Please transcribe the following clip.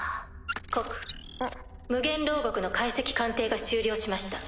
告無限牢獄の解析鑑定が終了しました。